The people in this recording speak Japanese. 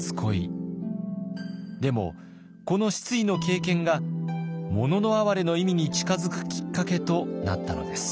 でもこの失意の経験が「もののあはれ」の意味に近づくきっかけとなったのです。